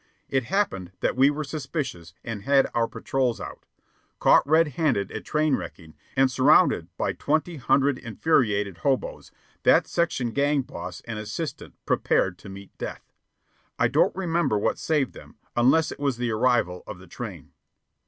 It happened that we were suspicious and had our patrols out. Caught red handed at train wrecking, and surrounded by twenty hundred infuriated hoboes, that section gang boss and assistant prepared to meet death. I don't remember what saved them, unless it was the arrival of the train.